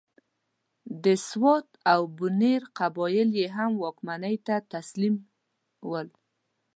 او د سوات او بنیر قبایل یې هم واکمنۍ ته تسلیم ول.